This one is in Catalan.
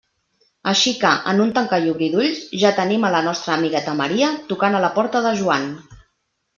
Així que, en un tancar i obrir d'ulls, ja tenim a la nostra amigueta Maria tocant a la porta de Joan.